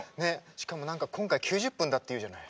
しかも何か今回９０分だっていうじゃない。